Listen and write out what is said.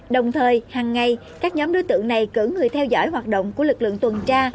đồng thời hằng ngày các nhóm đối tượng này cử người theo dõi hoạt động của lực lượng tuần tra